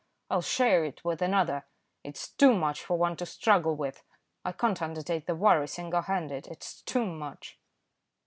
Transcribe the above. I'll share it with another. It's too much for one to struggle with. I can't undertake the worry single handed, it's too much."